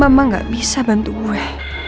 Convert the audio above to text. mama gak bisa bantu gue